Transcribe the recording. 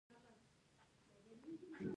بیلا بیل دینونه هلته شته.